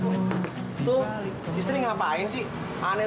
berkesan kok pepek